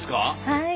はい。